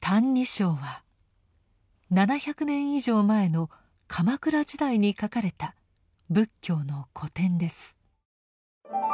「歎異抄」は７００年以上前の鎌倉時代に書かれた仏教の古典です。